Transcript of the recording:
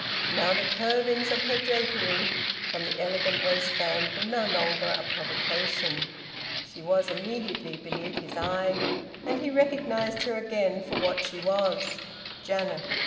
Now, the curvings of her drapery from the elegant waistband were no longer a provocation. She was immediately beneath his eye, and he recognised her again for what she was Janet!